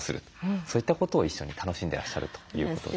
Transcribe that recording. そういったことを一緒に楽しんでらっしゃるということでした。